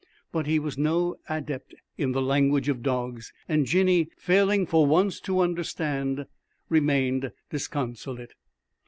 But he was no adept in the language of dogs, and Jinny, failing for once to understand, remained disconsolate.